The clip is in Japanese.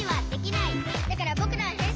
「だからぼくらはへんしんだ！」